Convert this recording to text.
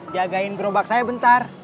jagain gerobak saya bentar